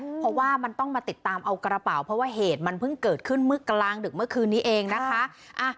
เพราะว่ามันต้องมาติดตามเอากระเป๋าเพราะว่าเหตุมันเพิ่งเกิดขึ้นเมื่อกลางดึกเมื่อคืนนี้เองนะคะ